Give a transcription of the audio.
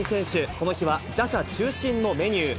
この日は打者中心のメニュー。